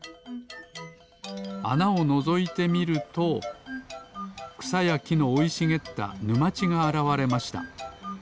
あなをのぞいてみるとくさやきのおいしげったぬまちがあらわれました。